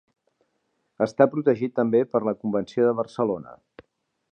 Està protegit també per la convenció de Barcelona.